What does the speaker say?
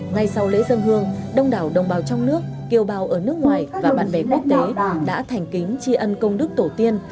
ngay sau lễ dân hương đông đảo đồng bào trong nước kiều bào ở nước ngoài và bạn bè quốc tế đã thành kính tri ân công đức tổ tiên